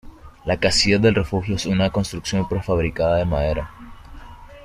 La casilla del refugio es una construcción prefabricada de madera.